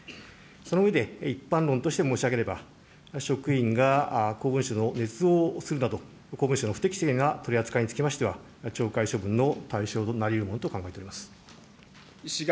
その上で一般論として申し上げれば、職員が公文書のねつ造をするなど、公文書の不適正な取り扱いにつきましては、懲戒処分の対象となりうるものと考えております。